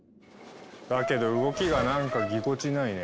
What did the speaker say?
だけど動きがなんかぎこちないね。